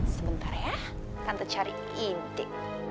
sebentar ya tante cari inti